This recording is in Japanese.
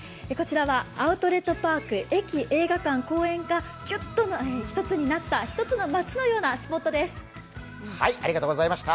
こちらはアウトレットパーク、駅、映画館、公園がぎゅっと１つになった１つの街のようなスポットです。